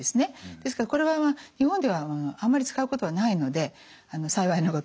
ですからこれは日本ではあんまり使うことはないので幸いなことに。